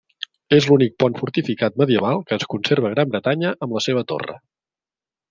És l'únic pont fortificat medieval que es conserva a Gran Bretanya amb la seva torre.